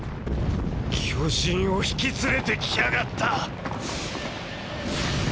⁉巨人を引き連れて来やがった！！